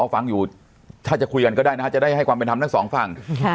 ฟังอยู่ถ้าจะคุยกันก็ได้นะฮะจะได้ให้ความเป็นธรรมทั้งสองฝั่ง